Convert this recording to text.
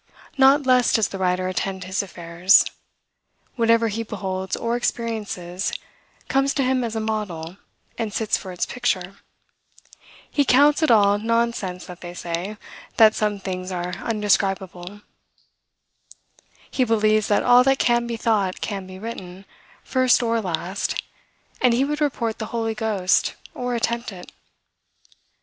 Not less does the writer attend his affairs. Whatever he beholds or experiences, comes to him as a model, and sits for its picture. He counts it all nonsense that they say, that some things are undescribable. He believes that all that can be thought can be written, first or last; and he would report the Holy Ghost, or attempt it.